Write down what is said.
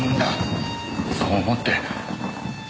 そう思って。